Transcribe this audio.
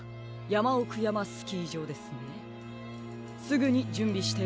やまおくやまスキーじょうって。